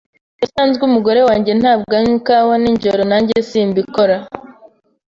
Ubusanzwe umugore wanjye ntabwo anywa ikawa nijoro. Nanjye simbikora.